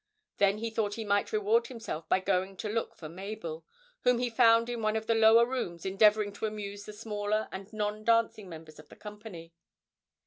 Then he thought he might reward himself by going to look for Mabel, whom he found in one of the lower rooms endeavouring to amuse the smaller and non dancing members of the company.